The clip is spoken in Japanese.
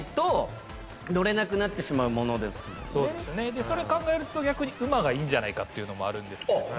でそれ考えると逆に馬がいいんじゃないかっていうのもあるんですけども。